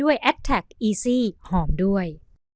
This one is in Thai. ด้วยแอตแท็กอีซี่หอมด้วย